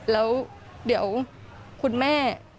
แล้วเดี๋ยวคุณแม่